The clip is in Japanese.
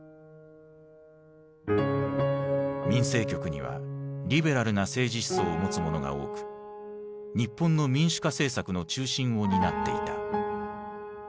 民生局にはリベラルな政治思想を持つ者が多く日本の民主化政策の中心を担っていた。